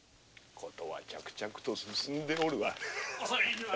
事は着々と進んでおる。